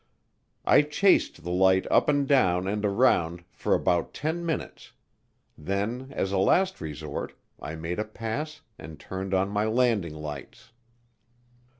I chased the light up and down and around for about 10 minutes, then as a last resort I made a pass and turned on my landing lights.